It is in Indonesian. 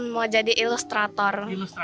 mau jadi ilustrator